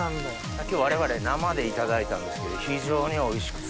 今日われわれ生でいただいたんですけど非常においしくて。